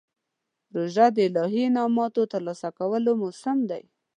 روژه د الهي انعامونو ترلاسه کولو موسم دی.